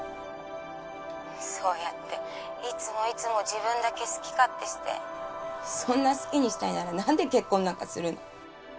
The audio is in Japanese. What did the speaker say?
☎そうやっていつもいつも自分だけ好き勝手してそんな好きにしたいなら何で結婚なんかするの？